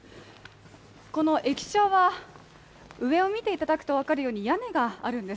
この駅舎は上を見ていただくと分かるように屋根があるんです。